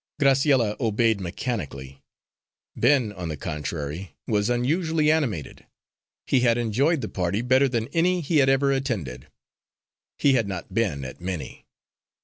Graciella obeyed mechanically. Ben, on the contrary, was unusually animated. He had enjoyed the party better than any he had ever attended. He had not been at many.